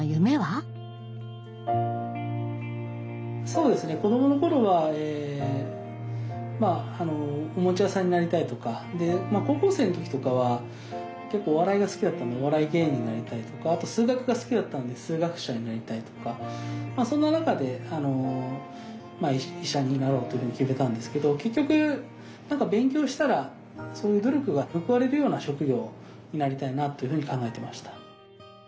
そうですね子どもの頃はまあおもちゃ屋さんになりたいとか高校生の時とかは結構お笑いが好きだったのでお笑い芸人になりたいとかあと数学が好きだったんで数学者になりたいとかそんな中で医者になろうというふうに決めたんですけど結局何か勉強したら努力が報われるような職業になりたいなというふうに考えてました。